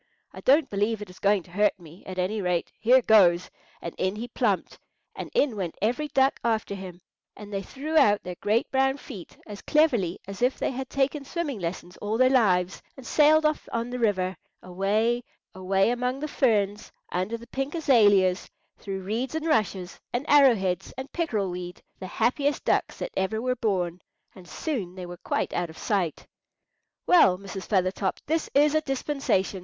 I don't believe it is going to hurt me; at any rate, here goes," and in he plumped, and in went every duck after him, and they threw out their great brown feet as cleverly as if they had taken swimming lessons all their lives, and sailed off on the river, away, away among the ferns, under the pink azaleas, through reeds and rushes, and arrow heads and pickerel weed, the happiest ducks that ever were born; and soon they were quite out of sight. "Well, Mrs. Feathertop, this is a dispensation!"